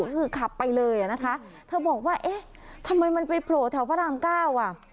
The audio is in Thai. น่าคือขับไปเลยนะคะเธอบอกว่าทำไมมันไปโผล่แถวฟรั่งเก้า